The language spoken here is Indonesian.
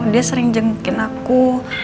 dia sering jengukin aku